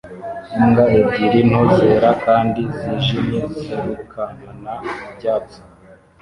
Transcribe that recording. Imbwa ebyiri nto zera kandi zijimye zirukankana mubyatsi